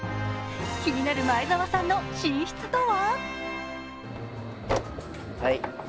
気になる前澤さんの寝室とは？